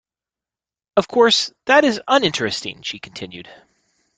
Of course, that is uninteresting, she continued.